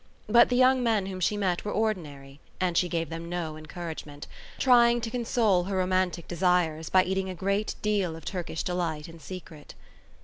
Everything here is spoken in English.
But the young men whom she met were ordinary and she gave them no encouragement, trying to console her romantic desires by eating a great deal of Turkish Delight in secret.